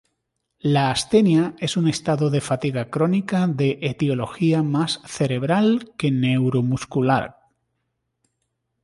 La astenia es un estado de fatiga crónica de etiología más cerebral que neuromuscular.